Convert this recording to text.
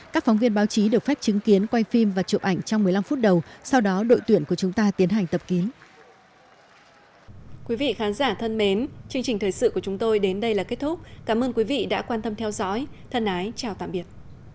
chương trình thời sự của chúng tôi đến đây là kết thúc cảm ơn quý vị đã quan tâm theo dõi thân ái chào tạm biệt